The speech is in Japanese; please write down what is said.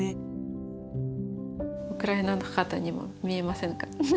ウクライナの旗にも見えませんか？